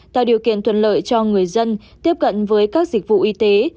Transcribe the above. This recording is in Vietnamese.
tạo điều kiện thuận lợi cho người dân tiếp cận với các dịch vụ y tế